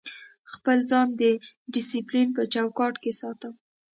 خپل ځان د ډیسپلین په چوکاټ کې ساتم.